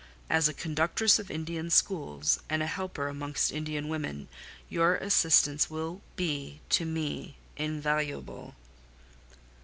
As a conductress of Indian schools, and a helper amongst Indian women, your assistance will be to me invaluable."